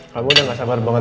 kamu udah gak sabar banget